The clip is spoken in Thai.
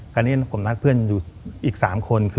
แต่นี่ผมรักเพื่อนอยู่อีก๓คน